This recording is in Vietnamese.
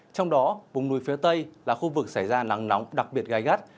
trong đó vùng núi phía tây là khu vực xảy ra nắng nóng đặc biệt gai gắt